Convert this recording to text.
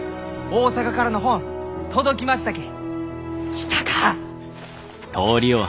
来たか！